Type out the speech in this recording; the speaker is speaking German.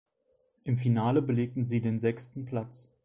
Im Finale belegten sie den sechsten Platz.